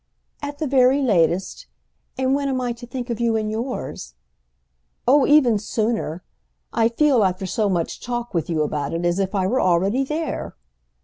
"At the very latest. And when am I to think of you in yours?" "Oh even sooner. I feel, after so much talk with you about it, as if I were already there!"